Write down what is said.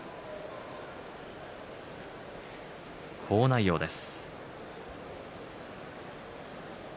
好内容です。